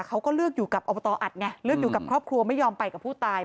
เขาก็เลือกอยู่กับอบตอัดไงเลือกอยู่กับครอบครัวไม่ยอมไปกับผู้ตาย